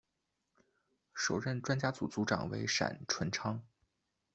首任专家组组长为闪淳昌。